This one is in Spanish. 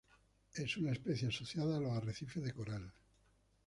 Es una especie asociada a los arrecifes de coral.